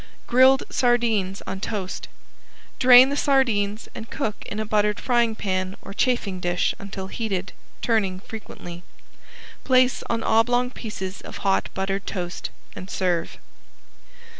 ~GRILLED SARDINES ON TOAST~ Drain the sardines and cook in a buttered frying pan or chafing dish until heated, turning frequently. Place on oblong pieces of hot buttered toast, and serve.